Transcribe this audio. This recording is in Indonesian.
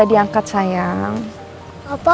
udah mama telepon dulu ya